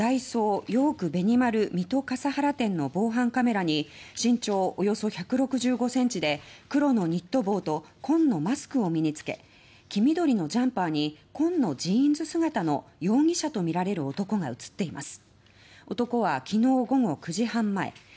ヨークベニマル水戸笠原店の防犯カメラに身長およそ１６５センチで黒のニット帽と紺のマスクを身につけ黄緑のジャンパーに紺のジーンズ姿の容疑者とみられる男が映っています。